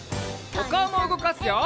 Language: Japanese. おかおもうごかすよ。